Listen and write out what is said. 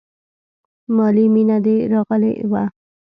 مالې مينه دې راغلې وه.